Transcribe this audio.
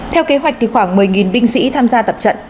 theo kế hoạch thì khoảng một mươi binh sĩ tham gia tập trận